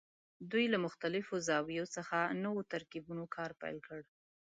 دوی له مختلفو زاویو څخه نوو ترکیبونو کار پیل کړ.